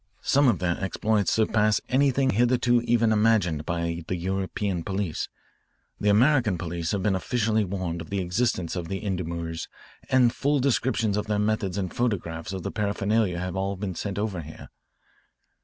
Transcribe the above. Some of their exploits surpass anything hitherto even imagined by the European police. The American police have been officially warned of the existence of the endormeurs and full descriptions of their methods and photographs of their paraphernalia have been sent over here.